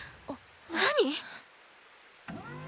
何？